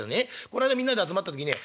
この間みんなで集まった時ね